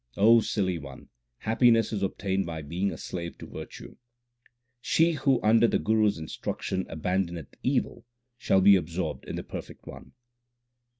O silly one, happiness is obtained by being a slave to virtue. She who under the Guru s instruction abandoneth evil, shall be absorbed in the Perfect One.